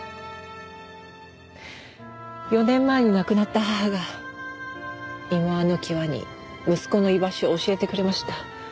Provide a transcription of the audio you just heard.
４年前に亡くなった母がいまわの際に息子の居場所を教えてくれました。